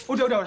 udah udah udah